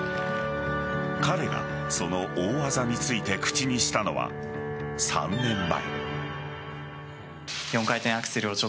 彼がその大技について口にしたのは３年前。